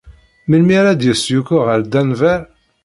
Melmi ara d-yas Yuko ɣer Denver?